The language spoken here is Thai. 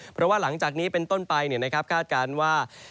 เพราะว่าหลังจากนี้เป็นต้นไปคาดการณ์ว่า